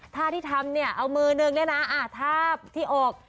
ท่าที่ทำเอามือหนึ่งเลยนะท่าที่อก